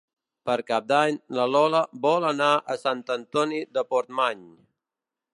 Per Cap d'Any na Lola vol anar a Sant Antoni de Portmany.